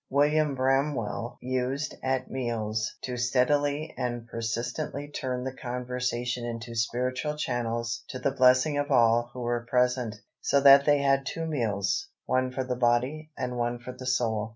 William Bramwell used at meals to steadily and persistently turn the conversation into spiritual channels to the blessing of all who were present, so that they had two meals one for the body and one for the soul.